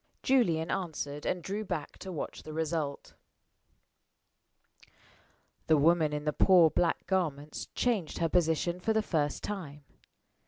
Julian answered, and drew back to watch the result. The woman in the poor black garments changed her position for the first time.